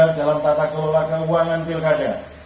dan juga dalam tata kelola keuangan pilkada